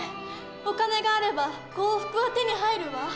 お金があれば幸福は手に入るわ。